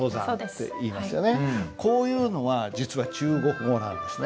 こういうのは実は中国語なんですね。